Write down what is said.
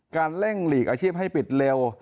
เร่งหลีกอาชีพให้ปิดเร็ว